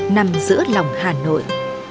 nằm giữa lòng hà nội